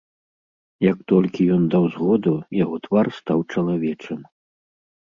Як толькі ён даў згоду, яго твар стаў чалавечым.